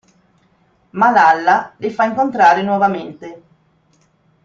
Ma Lalla li fa incontrare nuovamente.